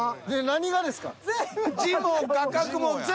何がですか？